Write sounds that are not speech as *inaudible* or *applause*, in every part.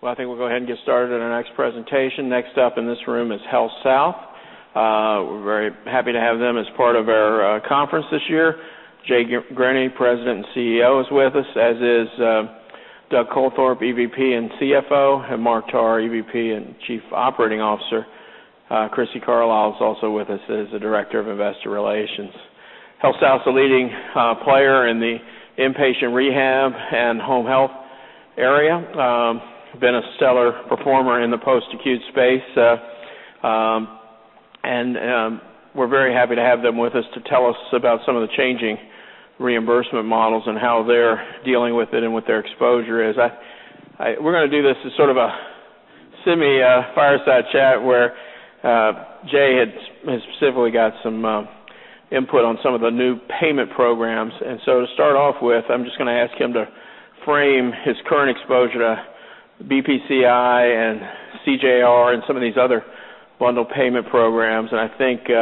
Well, I think we'll go ahead and get started on our next presentation. Next up in this room is HealthSouth. We are very happy to have them as part of our conference this year. Jay Grinney, President and CEO, is with us, as is Douglas Coltharp, EVP and CFO, and Mark Tarr, EVP and Chief Operating Officer. Crissy Carlisle is also with us as the Director of Investor Relations. HealthSouth's a leading player in the inpatient rehab and home health area, been a stellar performer in the post-acute space, and we are very happy to have them with us to tell us about some of the changing reimbursement models and how they are dealing with it and what their exposure is. We are going to do this as sort of a semi-fireside chat, where Jay had specifically got some input on some of the new payment programs. To start off with, I am just going to ask him to frame his current exposure to BPCI and CJR and some of these other bundled payment programs. I think you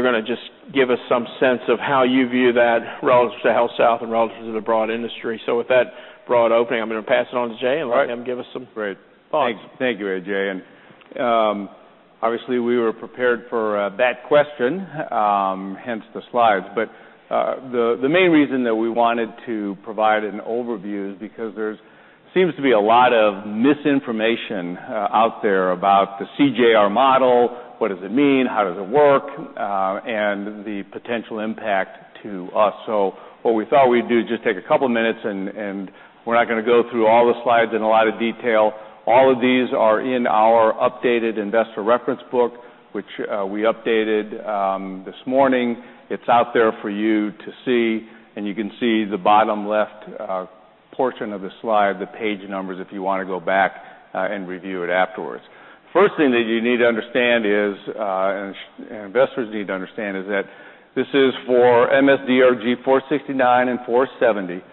are going to just give us some sense of how you view that relative to HealthSouth and relative to the broad industry. With that broad opening, I am going to pass it on to Jay and let him give us some thoughts. Great. Thank you, A.J. Obviously we were prepared for that question, hence the slides. The main reason that we wanted to provide an overview is because there seems to be a lot of misinformation out there about the CJR model, what does it mean, how does it work, and the potential impact to us. What we thought we would do is just take a couple of minutes, and we are not going to go through all the slides in a lot of detail. All of these are in our updated investor reference book, which we updated this morning. It is out there for you to see, and you can see the bottom left portion of the slide, the page numbers, if you want to go back and review it afterwards. First thing that you need to understand is, investors need to understand is that this is for MS-DRG 469 and 470.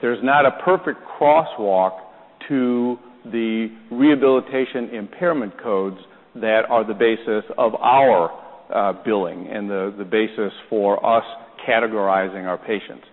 There is not a perfect crosswalk to the rehabilitation impairment codes that are the basis of our billing and the basis for us categorizing our patients.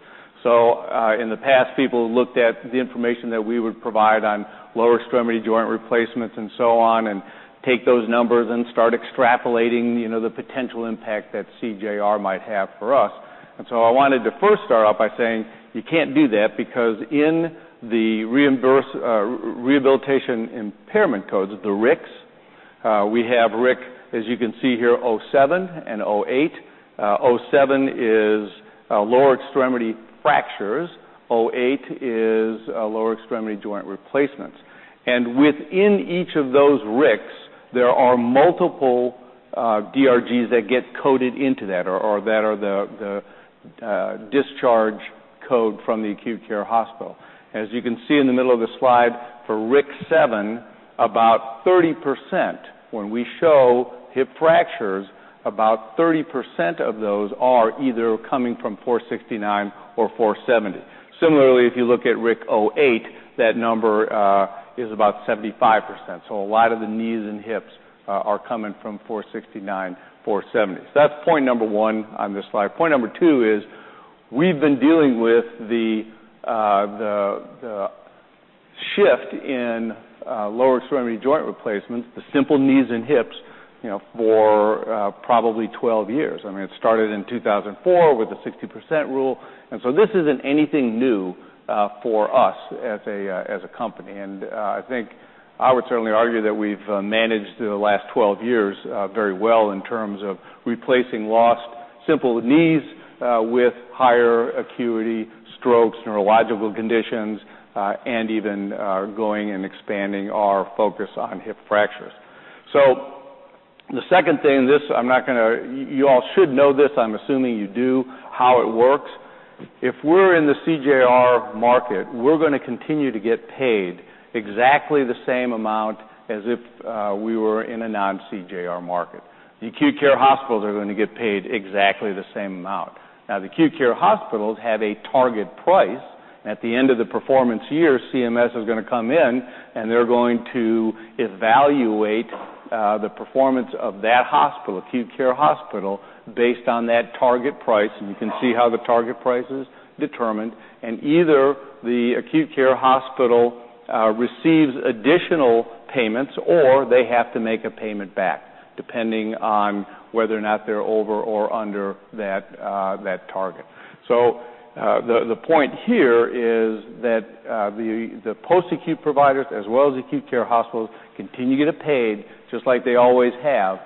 In the past, people looked at the information that we would provide on lower extremity joint replacements and so on and take those numbers and start extrapolating the potential impact that CJR might have for us. I wanted to first start off by saying you cannot do that because in the rehabilitation impairment codes, the RICs, we have RIC, as you can see here, 07 and 08. 07 is lower extremity fractures, 08 is lower extremity joint replacements. Within each of those RICs, there are multiple DRGs that get coded into that or that are the discharge code from the acute care hospital. As you can see in the middle of the slide for RIC 7, about 30%, when we show hip fractures, about 30% of those are either coming from 469 or 470. Similarly, if you look at RIC 08, that number is about 75%. A lot of the knees and hips are coming from 469, 470. That's point number 1 on this slide. Point number 2 is we've been dealing with the shift in lower extremity joint replacements, the simple knees and hips, for probably 12 years. I mean, it started in 2004 with the 60% rule, this isn't anything new for us as a company. I think I would certainly argue that we've managed the last 12 years very well in terms of replacing lost simple knees with higher acuity strokes, neurological conditions, and even going and expanding our focus on hip fractures. The second thing, you all should know this, I'm assuming you do, how it works. If we're in the CJR market, we're going to continue to get paid exactly the same amount as if we were in a non-CJR market. The acute care hospitals are going to get paid exactly the same amount. Now, the acute care hospitals have a target price. At the end of the performance year, CMS is going to come in, and they're going to evaluate the performance of that hospital, acute care hospital, based on that target price, and you can see how the target price is determined. Either the acute care hospital receives additional payments or they have to make a payment back, depending on whether or not they're over or under that target. The point here is that the post-acute providers as well as acute care hospitals continue getting paid just like they always have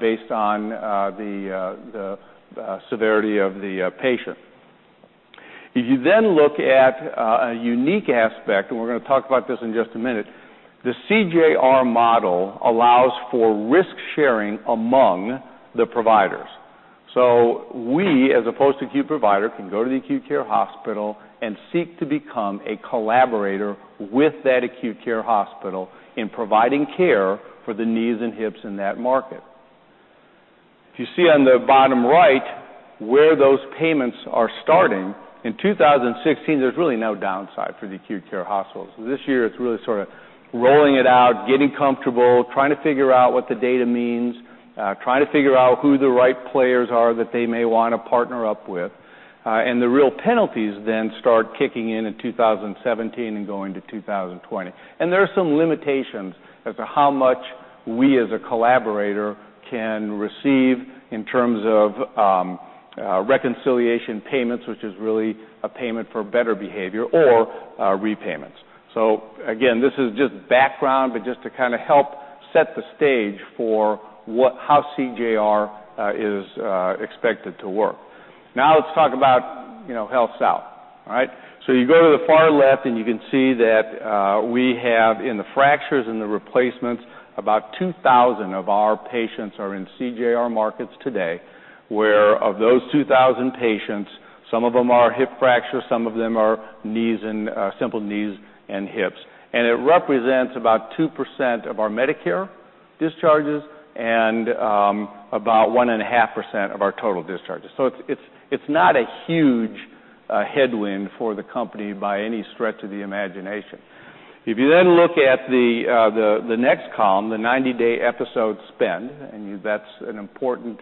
based on the severity of the patient. If you look at a unique aspect, and we're going to talk about this in just a minute, the CJR model allows for risk sharing among the providers. We, as opposed to acute provider, can go to the acute care hospital and seek to become a collaborator with that acute care hospital in providing care for the knees and hips in that market. If you see on the bottom right where those payments are starting, in 2016 there's really no downside for the acute care hospitals. This year it's really sort of getting comfortable, trying to figure out what the data means, trying to figure out who the right players are that they may want to partner up with. The real penalties then start kicking in 2017 and going to 2020. There are some limitations as to how much we as a collaborator can receive in terms of reconciliation payments, which is really a payment for better behavior or repayments. Again, this is just background, but just to help set the stage for how CJR is expected to work. Let's talk about HealthSouth. All right? You go to the far left, you can see that we have, in the fractures and the replacements, about 2,000 of our patients are in CJR markets today, where of those 2,000 patients, some of them are hip fractures, some of them are simple knees and hips. It represents about 2% of our Medicare discharges and about 1.5% of our total discharges. It's not a huge headwind for the company by any stretch of the imagination. If you look at the next column, the 90-day episode spend, that's an important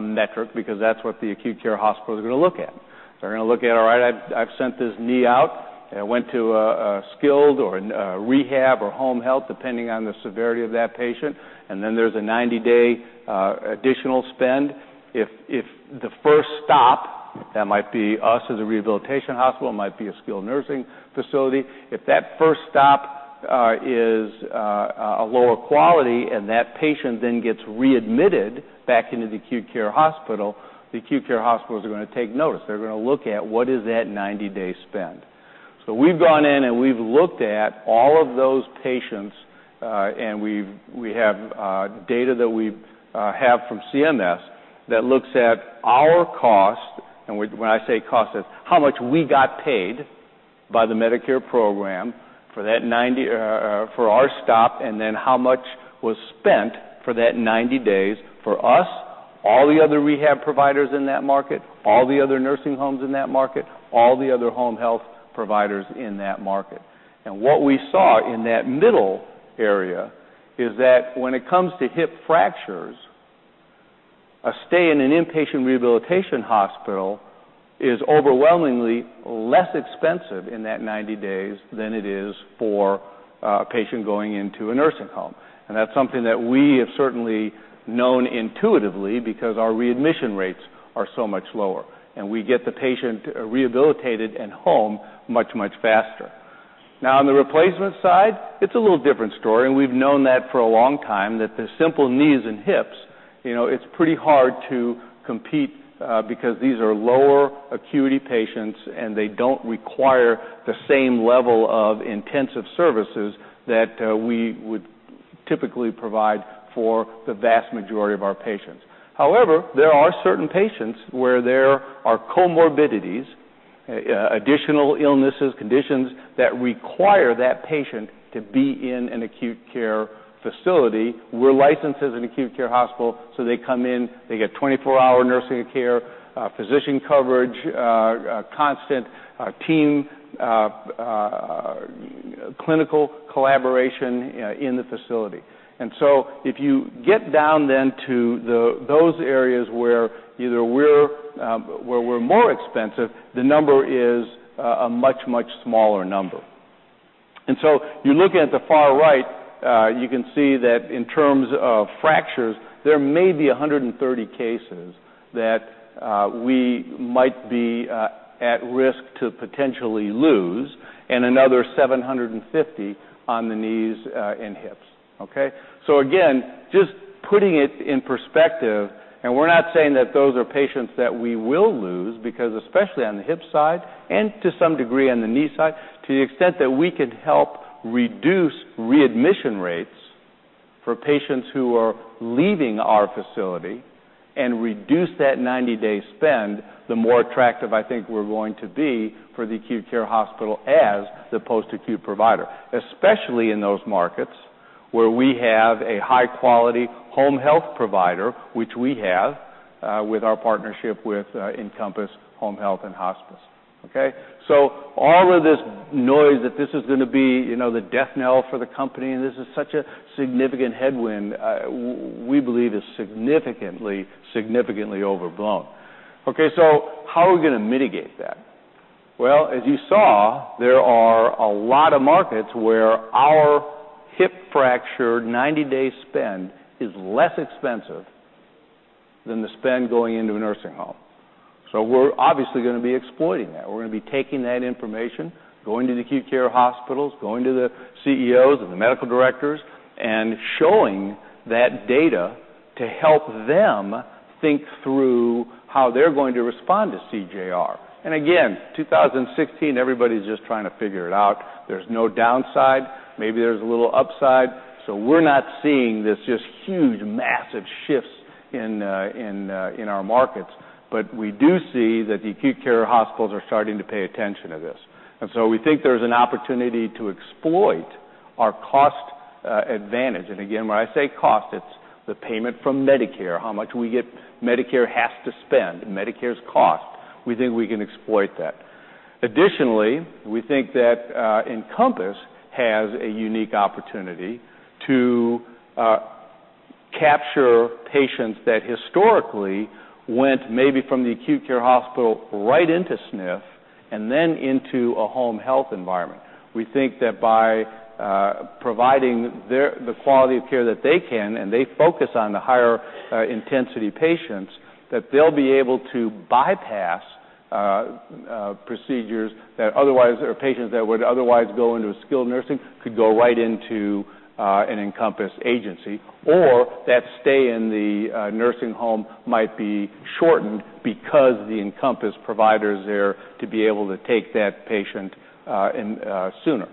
metric because that's what the acute care hospital is going to look at. They're going to look at, all right, I've sent this knee out, it went to a skilled or a rehab or home health, depending on the severity of that patient. There's a 90-day additional spend. If the first stop, that might be us as a rehabilitation hospital, it might be a skilled nursing facility. If that first stop is a lower quality and that patient gets readmitted back into the acute care hospital, the acute care hospitals are going to take notice. They're going to look at what is that 90-day spend. We've gone in, we've looked at all of those patients, we have data that we have from CMS that looks at our cost. When I say cost, it's how much we got paid by the Medicare program for our stop, how much was spent for that 90 days for us, all the other rehab providers in that market, all the other nursing homes in that market, all the other home health providers in that market. What we saw in that middle area is that when it comes to hip fractures, a stay in an inpatient rehabilitation hospital is overwhelmingly less expensive in that 90 days than it is for a patient going into a nursing home. That's something that we have certainly known intuitively because our readmission rates are so much lower, and we get the patient rehabilitated and home much, much faster. Now, on the replacement side, it's a little different story, we've known that for a long time, that the simple knees and hips, it's pretty hard to compete because these are lower acuity patients, they don't require the same level of intensive services that we would typically provide for the vast majority of our patients. However, there are certain patients where there are comorbidities, additional illnesses, conditions that require that patient to be in an acute care facility. We're licensed as an acute care hospital, they come in, they get 24-hour nursing care, physician coverage, constant team clinical collaboration in the facility. If you get down to those areas where we're more expensive, the number is a much, much smaller number. You look at the far right, you can see that in terms of fractures, there may be 130 cases that we might be at risk to potentially lose, another 750 on the knees and hips. Okay. Again, just putting it in perspective, we're not saying that those are patients that we will lose because especially on the hip side and to some degree on the knee side, to the extent that we could help reduce readmission rates for patients who are leaving our facility and reduce that 90-day spend, the more attractive I think we're going to be for the acute care hospital as the post-acute provider, especially in those markets where we have a high-quality home health provider, which we have with our partnership with Encompass Home Health and Hospice. Okay. All of this noise that this is going to be the death knell for the company, and this is such a significant headwind, we believe is significantly overblown. Okay, how are we going to mitigate that? Well, as you saw, there are a lot of markets where our hip fracture 90-day spend is less expensive than the spend going into a nursing home. We're obviously going to be exploiting that. We're going to be taking that information, going to the acute care hospitals, going to the CEOs and the medical directors, and showing that data to help them think through how they're going to respond to CJR. Again, 2016, everybody's just trying to figure it out. There's no downside. Maybe there's a little upside. We're not seeing this just huge, massive shifts in our markets. We do see that the acute care hospitals are starting to pay attention to this. We think there's an opportunity to exploit our cost advantage. Again, when I say cost, it's the payment from Medicare, how much Medicare has to spend, Medicare's cost. Additionally, we think that Encompass has a unique opportunity to capture patients that historically went maybe from the acute care hospital right into SNF and then into a home health environment. We think that by providing the quality of care that they can, and they focus on the higher intensity patients, that they'll be able to bypass procedures that otherwise or patients that would otherwise go into a skilled nursing could go right into an Encompass agency, or that stay in the nursing home might be shortened because the Encompass provider's there to be able to take that patient in sooner.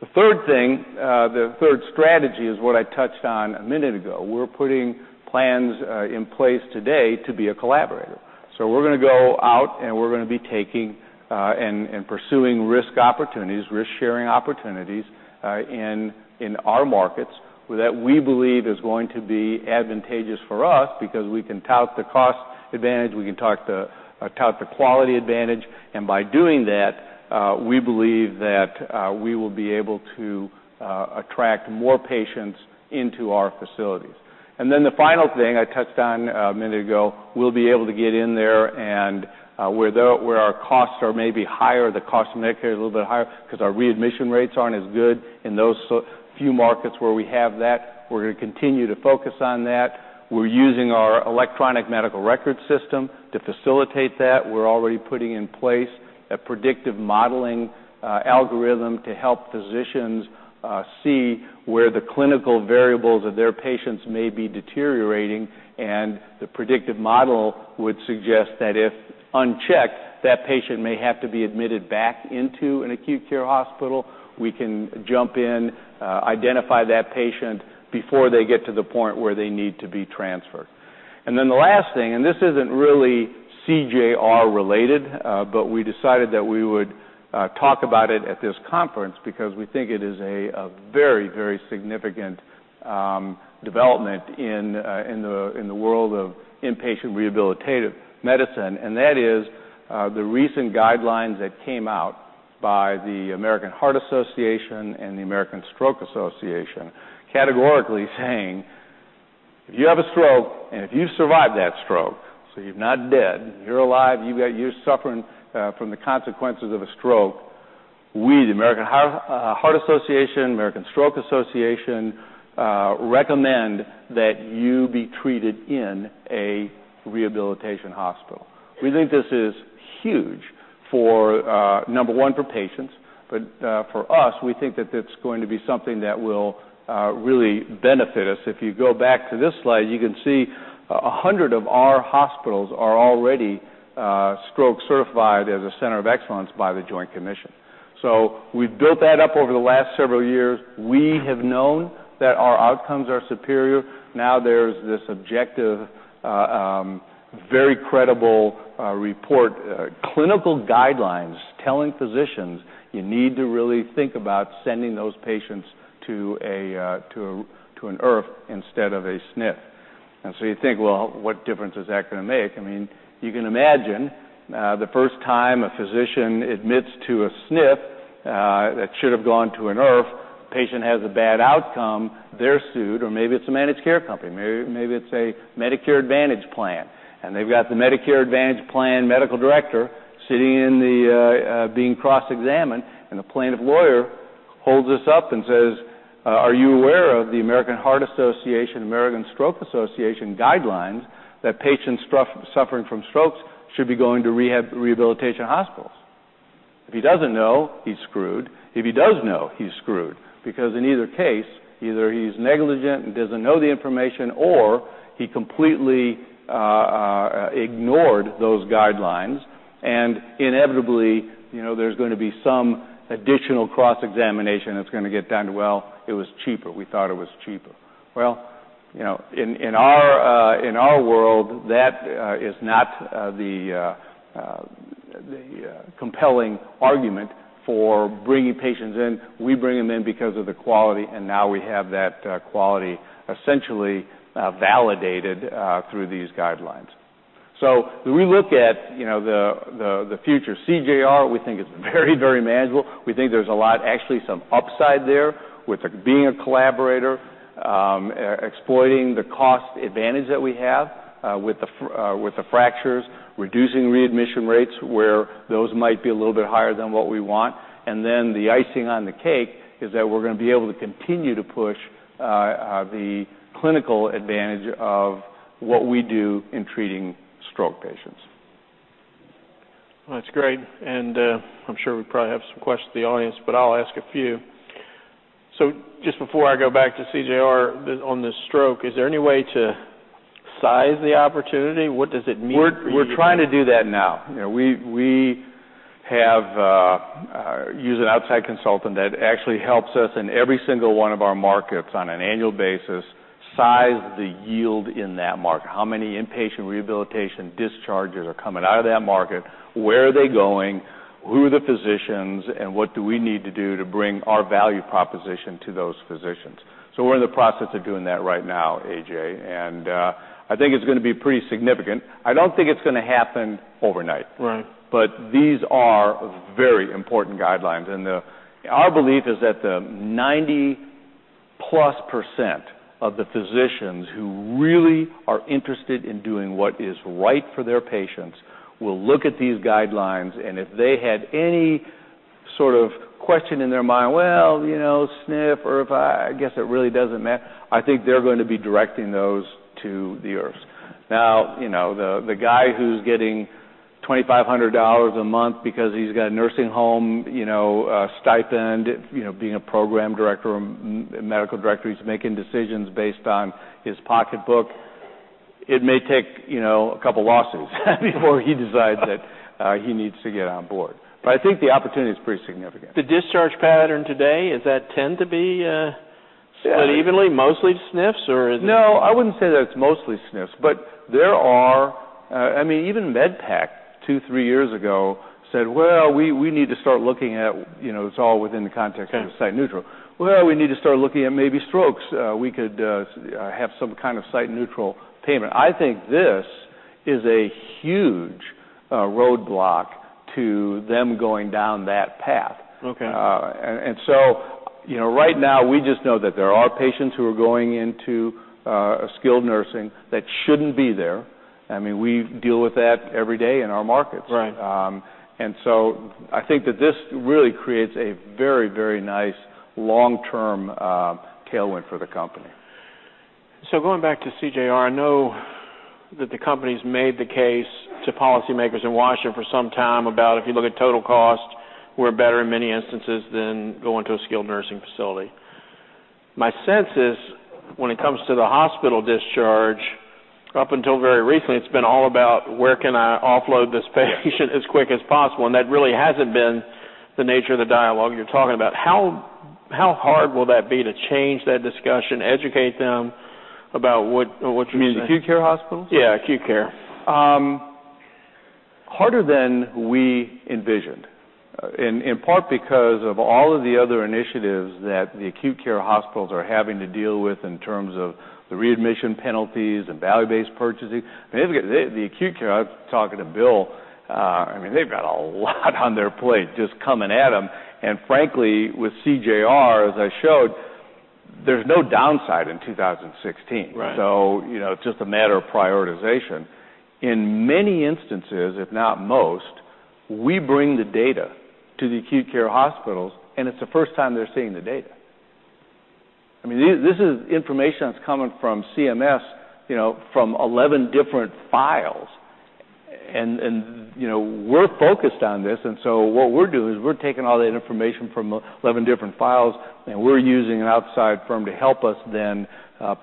The third thing, the third strategy is what I touched on a minute ago. We're putting plans in place today to be a collaborator. We're going to go out, and we're going to be taking and pursuing risk opportunities, risk-sharing opportunities in our markets that we believe is going to be advantageous for us because we can tout the cost advantage, we can tout the quality advantage, and by doing that, we believe that we will be able to attract more patients into our facilities. The final thing I touched on a minute ago, we'll be able to get in there and where our costs are maybe higher, the cost of Medicare is a little bit higher because our readmission rates aren't as good in those few markets where we have that, we're going to continue to focus on that. We're using our electronic medical record system to facilitate that. We're already putting in place a predictive modeling algorithm to help physicians see where the clinical variables of their patients may be deteriorating. The predictive model would suggest that if unchecked, that patient may have to be admitted back into an acute care hospital. We can jump in, identify that patient before they get to the point where they need to be transferred. The last thing, this isn't really CJR-related but we decided that we would talk about it at this conference because we think it is a very significant development in the world of inpatient rehabilitative medicine. That is the recent guidelines that came out by the American Heart Association and the American Stroke Association categorically saying, "If you have a stroke, and if you survive that stroke, so you're not dead, you're alive, you're suffering from the consequences of a stroke, we, the American Heart Association, American Stroke Association recommend that you be treated in a rehabilitation hospital." We think this is huge for number 1 for patients. For us, we think that it's going to be something that will really benefit us. If you go back to this slide, you can see 100 of our hospitals are already stroke certified as a center of excellence by The Joint Commission. We've built that up over the last several years. We have known that our outcomes are superior. Now there's this objective, very credible report, clinical guidelines telling physicians you need to really think about sending those patients to an IRF instead of a SNF. You think, well, what difference is that going to make? You can imagine the first time a physician admits to a SNF that should have gone to an IRF, patient has a bad outcome, they're sued, or maybe it's a managed care company, maybe it's a Medicare Advantage plan. They've got the Medicare Advantage plan medical director sitting being cross-examined, and the plaintiff lawyer holds this up and says, "Are you aware of the American Heart Association, American Stroke Association guidelines that patients suffering from strokes should be going to rehabilitation hospitals?" If he doesn't know, he's screwed. If he does know, he's screwed because, in either case, either he's negligent and doesn't know the information, or he completely ignored those guidelines. Inevitably there's going to be some additional cross-examination that's going to get down to, well, it was cheaper. We thought it was cheaper. In our world, that is not the compelling argument for bringing patients in. We bring them in because of the quality, and now we have that quality essentially validated through these guidelines. When we look at the future CJR, we think it's very manageable. We think there's actually some upside there with being a collaborator, exploiting the cost advantage that we have with the fractures, reducing readmission rates where those might be a little bit higher than what we want, and then the icing on the cake is that we're going to be able to continue to push the clinical advantage of what we do in treating stroke patients. That's great. I'm sure we probably have some questions from the audience, but I'll ask a few. Just before I go back to CJR on the stroke, is there any way to size the opportunity? What does it mean for you? We're trying to do that now. We use an outside consultant that actually helps us in every single one of our markets on an annual basis size the yield in that market. How many inpatient rehabilitation discharges are coming out of that market? Where are they going? Who are the physicians, and what do we need to do to bring our value proposition to those physicians? We're in the process of doing that right now, A.J. I think it's going to be pretty significant. I don't think it's going to happen overnight. Right. These are very important guidelines, and our belief is that the 90%+ of the physicians who really are interested in doing what is right for their patients will look at these guidelines, and if they had any sort of question in their mind, "Well, SNF IRF, I guess it really doesn't matter," I think they're going to be directing those to the IRFs. Now, the guy who's getting $2,500 a month because he's got a nursing home stipend, being a program director or medical director, he's making decisions based on his pocketbook. It may take a couple losses before he decides that he needs to get on board. I think the opportunity is pretty significant. The discharge pattern today, does that tend to be split evenly, mostly to SNFs, or is it? No, I wouldn't say that it's mostly SNFs. Even MedPAC two, three years ago said, "Well, we need to start looking at." It's all within the context of site neutral. Sure. Well, we need to start looking at maybe strokes. We could have some kind of site-neutral payment." I think this is a huge roadblock to them going down that path. Okay. Right now, we just know that there are patients who are going into skilled nursing that shouldn't be there. We deal with that every day in our markets. Right. I think that this really creates a very, very nice long-term tailwind for the company. Going back to CJR, I know that the company's made the case to policymakers in Washington for some time about if you look at total cost, we're better in many instances than going to a skilled nursing facility. My sense is when it comes to the hospital discharge, up until very recently, it's been all about where can I offload this patient as quick as possible, and that really hasn't been the nature of the dialogue you're talking about. How hard will that be to change that discussion, educate them about what you're saying? You mean the acute care hospitals? Yeah, acute care. Harder than we envisioned. In part because of all of the other initiatives that the acute care hospitals are having to deal with in terms of the readmission penalties and value-based purchasing. The acute care, I was talking to Bill. They've got a lot on their plate just coming at them. Frankly, with CJR, as I showed, there's no downside in 2016. Right. It's just a matter of prioritization. In many instances, if not most, we bring the data to the acute care hospitals, and it's the first time they're seeing the data. This is information that's coming from CMS, from 11 different files. We're focused on this, what we're doing is we're taking all that information from 11 different files, and we're using an outside firm to help us then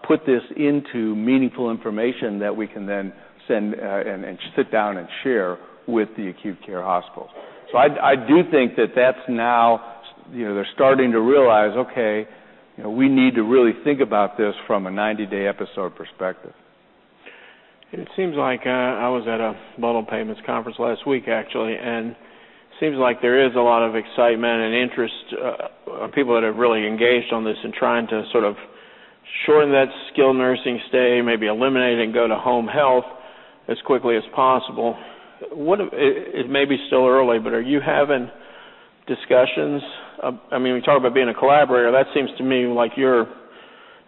put this into meaningful information that we can then send and sit down and share with the acute care hospitals. I do think that that's now they're starting to realize, okay, we need to really think about this from a 90-day episode perspective. I was at a bundled payments conference last week actually, it seems like there is a lot of excitement and interest, people that have really engaged on this and trying to sort of shorten that skilled nursing stay, maybe eliminate it and go to home health as quickly as possible. It may be still early, but are you having discussions? We talk about being a collaborator. That seems to me like your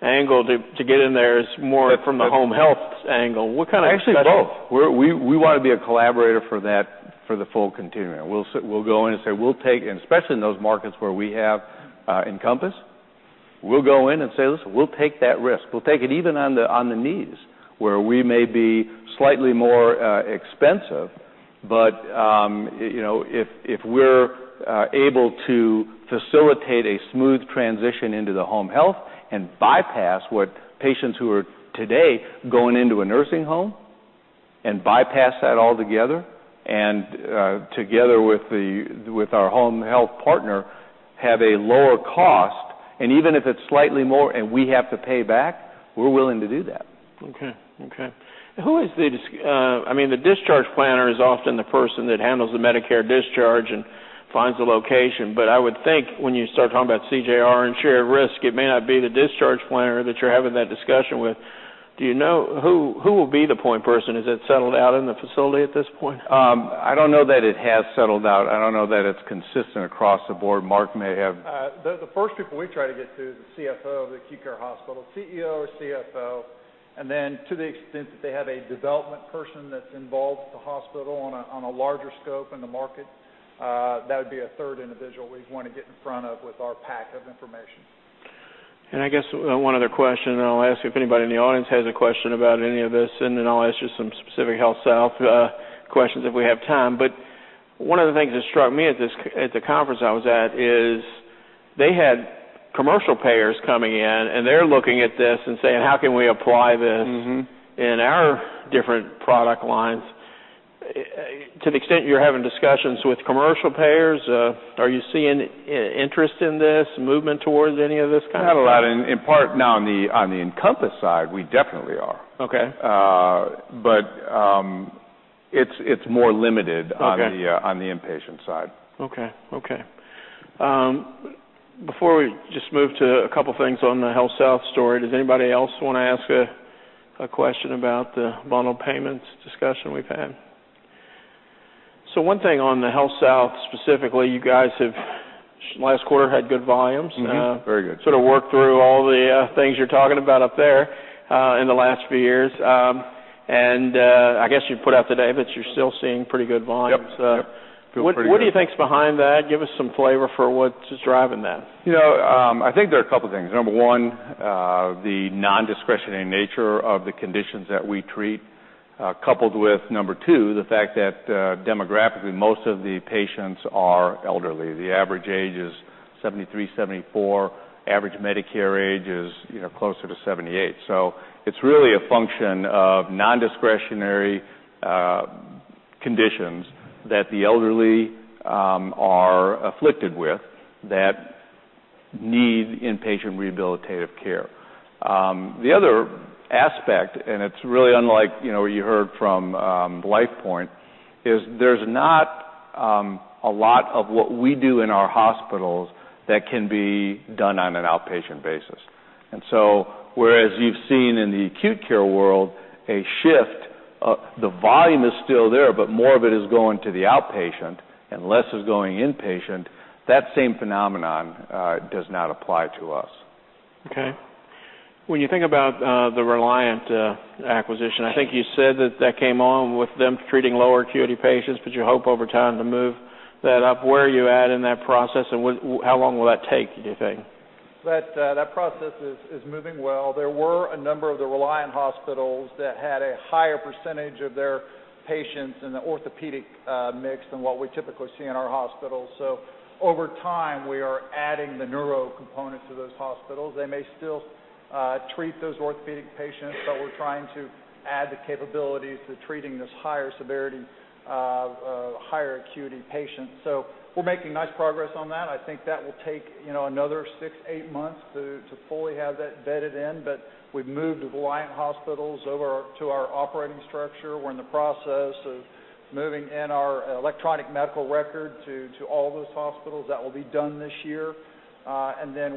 angle to get in there is more from the home health angle. What kind of discussions- Actually, both. We want to be a collaborator for the full continuum. Especially in those markets where we have Encompass, we'll go in and say, "Listen, we'll take that risk." We'll take it even on the knees where we may be slightly more expensive. If we're able to facilitate a smooth transition into the home health and bypass what patients who are today going into a nursing home, and bypass that altogether, and together with our home health partner, have a lower cost, and even if it's slightly more and we have to pay back, we're willing to do that. Okay. The discharge planner is often the person that handles the Medicare discharge and finds the location, but I would think when you start talking about CJR and shared risk, it may not be the discharge planner that you're having that discussion with. Do you know who will be the point person? Is it settled out in the facility at this point? I don't know that it has settled out. I don't know that it's consistent across the board. Mark may have- The first people we try to get to is the CFO of the acute care hospital, CEO or CFO, and then to the extent that they have a development person that's involved with the hospital on a larger scope in the market, that would be a third individual we'd want to get in front of with our pack of information. I guess one other question, and then I'll ask if anybody in the audience has a question about any of this, and then I'll ask you some specific HealthSouth questions if we have time. One of the things that struck me at the conference I was at is they had commercial payers coming in, and they're looking at this and saying, "How can we apply this- in our different product lines? To the extent you're having discussions with commercial payers, are you seeing interest in this, movement towards any of this kind of stuff? Not a lot. On the Encompass side, we definitely are. Okay. It's more limited. Okay On the inpatient side. Okay. Before we just move to a couple things on the HealthSouth story, does anybody else want to ask a question about the bundled payment programs discussion we've had? One thing on the HealthSouth, specifically, you guys have last quarter had good volumes. Mm-hmm. Very good. Sort of worked through all the things you're talking about up there in the last few years. I guess you put out today that you're still seeing pretty good volumes. Yep. What do you think is behind that? Give us some flavor for what is driving that. I think there are a couple things. Number one, the non-discretionary nature of the conditions that we treat, coupled with, number two, the fact that demographically, most of the patients are elderly. The average age is 73, 74. Average Medicare age is closer to 78. It's really a function of non-discretionary conditions that the elderly are afflicted with that need inpatient rehabilitative care. The other aspect, and it's really unlike what you heard from LifePoint Health, is there's not a lot of what we do in our hospitals that can be done on an outpatient basis. Whereas you've seen in the acute care world a shift, the volume is still there, but more of it is going to the outpatient and less is going inpatient. That same phenomenon does not apply to us. Okay. When you think about the Reliant acquisition, I think you said that that came on with them treating lower acuity patients, but you hope over time to move that up. Where are you at in that process, and how long will that take, do you think? That process is moving well. There were a number of the Reliant hospitals that had a higher percentage of their patients in the orthopedic mix than what we typically see in our hospitals. Over time, we are adding the neuro components to those hospitals. They may still treat those orthopedic patients, but we're trying to add the capabilities to treating this higher severity, higher acuity patients. We're making nice progress on that. I think that will take another six, eight months to fully have that bedded in. We've moved the Reliant hospitals over to our operating structure. We're in the process of moving in our electronic medical record to all those hospitals. That will be done this year.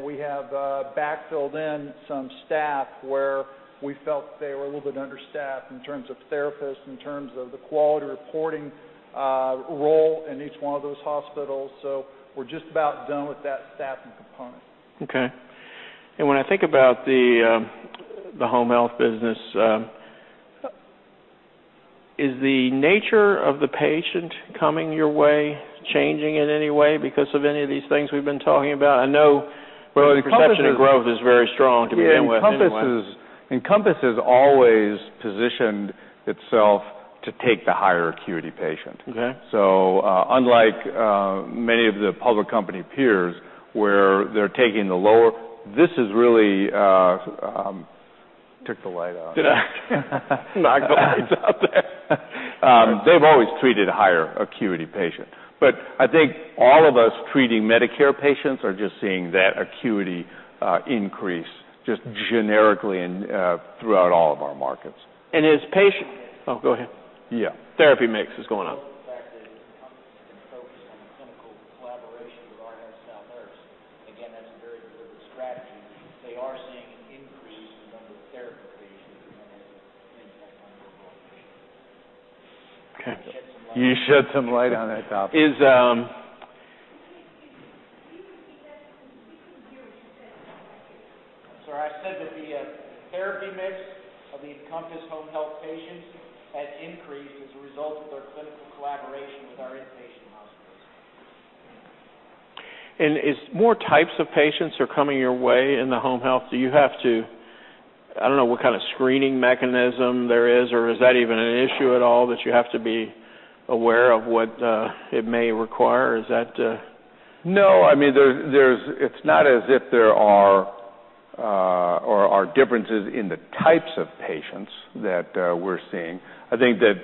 We have backfilled in some staff where we felt they were a little bit understaffed in terms of therapists, in terms of the quality reporting role in each one of those hospitals. We're just about done with that staffing component. Okay. When I think about the home health business, is the nature of the patient coming your way changing in any way because of any of these things we've been talking about? I know the perception of growth is very strong to begin with anyway. Encompass has always positioned itself to take the higher acuity patient. Okay. Unlike many of the public company peers. You took the light off Did I? Knock the lights out there. They've always treated higher acuity patients, but I think all of us treating Medicare patients are just seeing that acuity increase just generically throughout all of our markets. Oh, go ahead. Yeah. Therapy mix is going up. As a result of the fact that Encompass has been focused on the clinical collaboration with our, *inaudible* again, that's a very deliberate strategy. They are seeing an increase in the number of therapy patients than they would in an inpatient, non-rehabilitation. Okay. You shed some light on that topic. Could you excuse me? We couldn't hear what you said. I'm sorry. I said that the therapy mix of the Encompass Home Health patients has increased as a result of our clinical collaboration with our inpatient hospitals. As more types of patients are coming your way in the home health, do you have to, I don't know what kind of screening mechanism there is, or is that even an issue at all, that you have to be aware of what it may require? No, it's not as if there are differences in the types of patients that we're seeing. I think that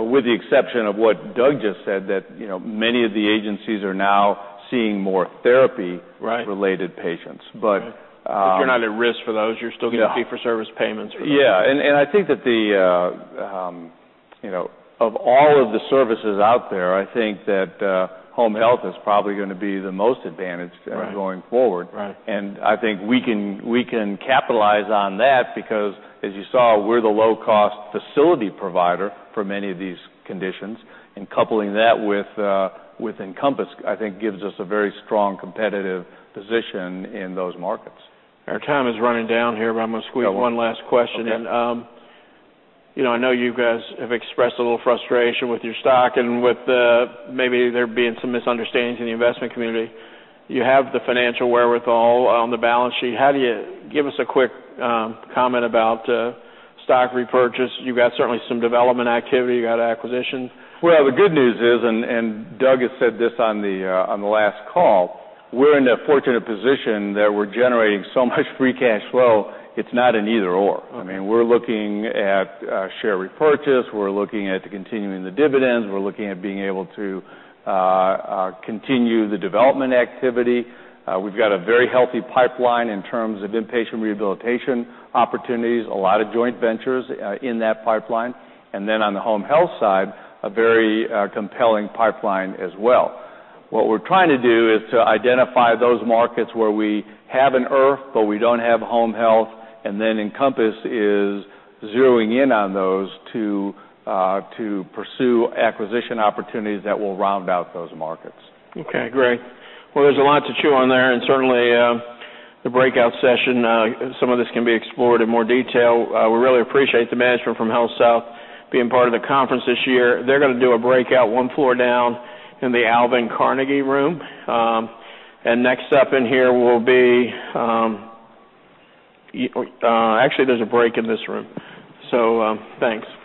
with the exception of what Doug just said, that many of the agencies are now seeing more therapy-related patients. You're not at risk for those. You're still getting fee for service payments for those. Yeah. I think that of all of the services out there, I think that home health is probably going to be the most advantaged going forward. Right. I think we can capitalize on that because as you saw, we're the low-cost facility provider for many of these conditions, and coupling that with Encompass, I think gives us a very strong competitive position in those markets. Our time is running down here, I'm going to squeeze one last question in. Okay. I know you guys have expressed a little frustration with your stock and with maybe there being some misunderstandings in the investment community. You have the financial wherewithal on the balance sheet. Give us a quick comment about stock repurchase. You've got certainly some development activity. You've got acquisitions. Well, the good news is, Doug has said this on the last call, we're in the fortunate position that we're generating so much free cash flow, it's not an either/or. We're looking at share repurchase. We're looking at continuing the dividends. We're looking at being able to continue the development activity. We've got a very healthy pipeline in terms of inpatient rehabilitation opportunities, a lot of joint ventures in that pipeline, on the home health side, a very compelling pipeline as well. What we're trying to do is to identify those markets where we have an IRF, but we don't have home health, Encompass is zeroing in on those to pursue acquisition opportunities that will round out those markets. Okay, great. Well, there's a lot to chew on there, certainly the breakout session, some of this can be explored in more detail. We really appreciate the management from HealthSouth being part of the conference this year. They're going to do a breakout one floor down in the Andrew Carnegie room. Actually, there's a break in this room. Thanks.